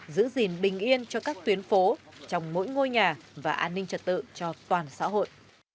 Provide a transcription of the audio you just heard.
giữ gìn bình yên cho các tuyến phố trong mỗi ngôi nhà và an ninh trật tự cho toàn xã hội